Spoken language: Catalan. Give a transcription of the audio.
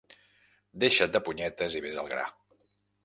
Deixa't de punyetes i ves al gra.